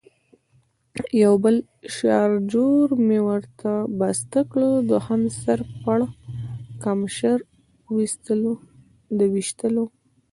یو بل شاژور مې ورته بسته کړ، دوهم سر پړکمشر د وېشتلو.